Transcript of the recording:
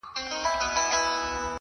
صبر د لویو موخو ملګری پاتې کېږي!